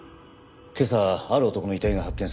今朝ある男の遺体が発見され現在